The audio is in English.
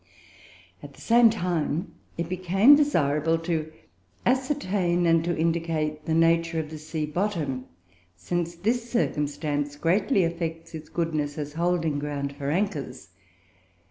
At the same time, it became desirable to ascertain and to indicate the nature of the sea bottom, since this circumstance greatly affects its goodness as holding ground for anchors.